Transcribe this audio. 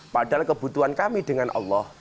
padahal kebutuhan kami dengan allah